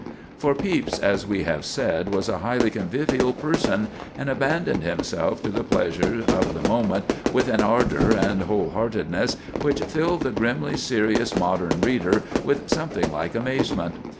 For Pepys, as we have said, was a highly convivial person, and abandoned himself to the pleasure of the moment with an ardor and whole heartedness which fill the grimly serious modern reader with something like amazement.